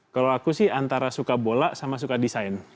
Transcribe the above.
kalau aku sih antara suka bola sama suka desain